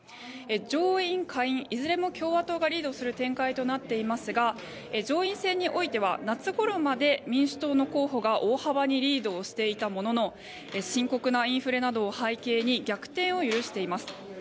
上院・下院いずれも共和党がリードする展開となっていますが上院選においては夏ごろまで民主党の候補が大幅にリードをしていたものの深刻なインフレなどを背景に逆転を許しています。